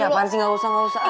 ya diapaan sih gak usah ngusah